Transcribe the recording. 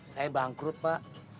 saya bangkrut pak